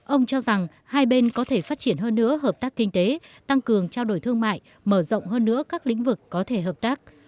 ông cho rằng hai bên có thể phát triển hơn nữa hợp tác kinh tế tăng cường trao đổi thương mại mở rộng hơn nữa các lĩnh vực có thể hợp tác